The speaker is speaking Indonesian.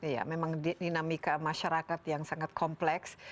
ya memang dinamika masyarakat yang sangat kompleks